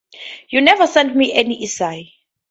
You never sent me any essay.